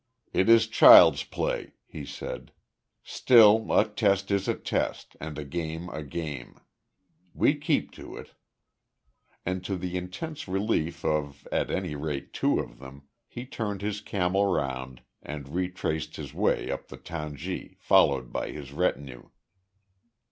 "It is child's play," he said. "Still a test is a test and a game a game. We keep to it." And to the intense relief of at any rate two of them, he turned his camel round, and retraced his way up the tangi, followed by his retinue.